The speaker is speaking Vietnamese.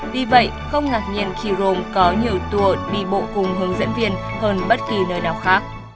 vì vậy không ngạc nhiên khi rome có nhiều tour đi bộ cùng hướng dẫn viên hơn bất kỳ nơi nào khác